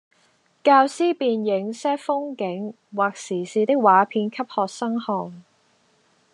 教師便映些風景或時事的畫片給學生看